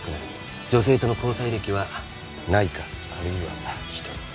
女性との交際歴はないかあるいは１人。